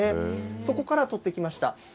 そこから取ってきました。